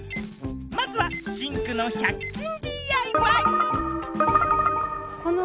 まずはシンクの１００均ＤＩＹ。